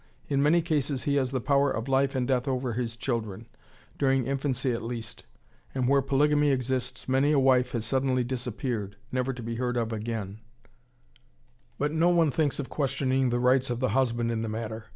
In many cases he has the power of life and death over his children, during infancy at least, and where polygamy exists many a wife has suddenly disappeared, never to be heard of again; but no one thinks of questioning the rights of the husband in the matter.